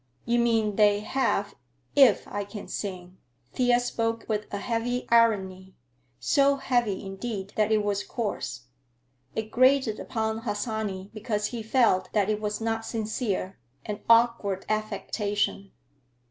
"You mean they have if I can sing." Thea spoke with a heavy irony, so heavy, indeed, that it was coarse. It grated upon Harsanyi because he felt that it was not sincere, an awkward affectation.